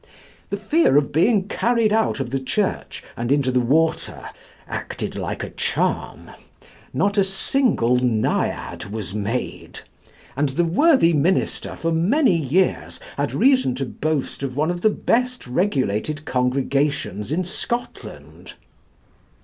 The fear of being carried out of the church, and into the water, acted like a charm; not a single Naiad was made, and the worthy minister for many years had reason to boast of one of the best regulated congregations in Scotland.